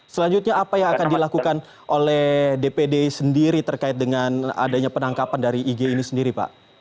selanjutnya apa yang akan dilakukan oleh dpd sendiri terkait dengan adanya penangkapan dari ig ini sendiri pak